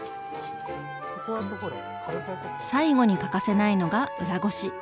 最後に欠かせないのが裏ごし。